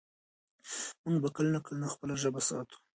موږ به کلونه کلونه خپله ژبه ساتو.